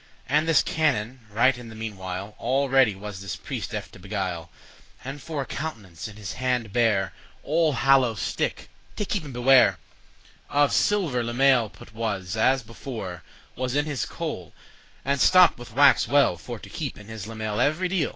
And this canon right in the meanewhile All ready was this priest eft* to beguile, *again and, for a countenance,* in his hande bare *stratagem An hollow sticke (take keep* and beware); *heed Of silver limaile put was, as before Was in his coal, and stopped with wax well For to keep in his limaile every deal.